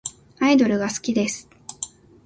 アイドルが好きです。